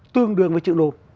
tương đương với chữ đô